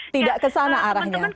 tidak kesana arahnya